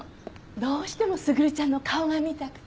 どうしても卓ちゃんの顔が見たくて。